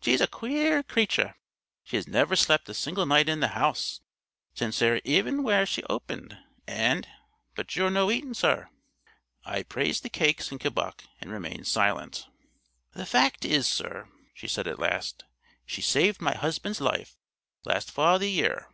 "She's a queer cratur. She has never slept a single night in the house since her e'en were opened, and But you're no eating, sir." I praised the cakes and kebbuck, and remained silent. "The fact is, sir," she said at last, "she saved my husband's life last fa' o' the year.